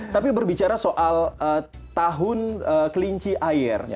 tapi berbicara soal tahun kelinci air